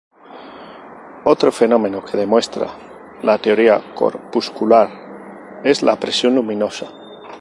Otro fenómeno que demuestra la teoría corpuscular es la presión luminosa.